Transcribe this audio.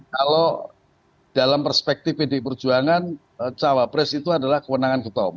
kalau dalam perspektif pdi perjuangan cawapres itu adalah kewenangan ketua umum